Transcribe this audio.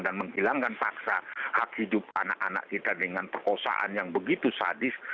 dan menghilangkan paksa hak hidup anak anak kita dengan perkosaan yang begitu sadis